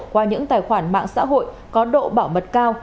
qua những tài khoản mạng xã hội có độ bảo mật cao